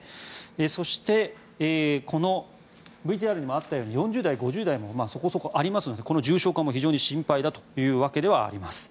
そしてＶＴＲにもあったように４０代、５０代もそこそこありますのでこの重症化も非常に心配だというわけではあります。